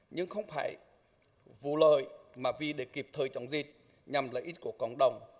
nhưng không phải vụ lợi mà vì để kịp thời chống dịch nhằm lợi ích của cộng đồng